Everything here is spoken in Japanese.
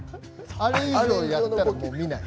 あれ以上やったら見ない。